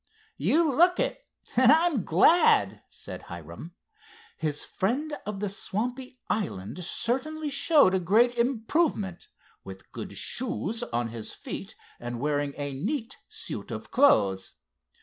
"You look it, and I'm glad," said Hiram. His friend of the swampy island certainly showed a great improvement, with good shoes on his feet, and wearing a neat suit of clothes.